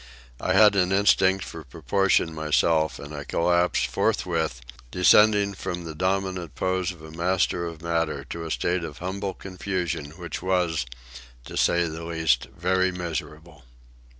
I had an instinct for proportion myself, and I collapsed forthwith, descending from the dominant pose of a master of matter to a state of humble confusion which was, to say the least, very miserable.